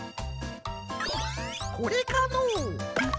これかのう？